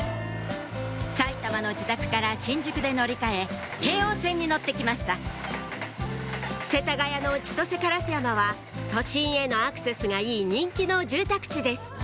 埼玉の自宅から新宿で乗り換え京王線に乗って来ました世田谷の千歳烏山は都心へのアクセスがいい人気の住宅地です